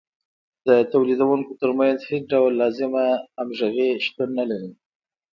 د تولیدونکو ترمنځ هېڅ ډول لازمه همغږي شتون نلري